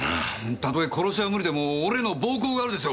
たとえ殺しは無理でも俺への暴行があるでしょ。